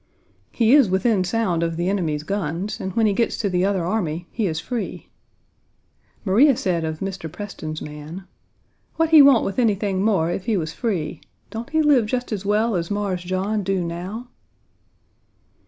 "He is within sound of the enemy's guns, and when he gets to the other army he is free." Maria said of Mr. Preston's man: "What he want with anything more, ef he was free? Don't he live just as well as Mars John do now?"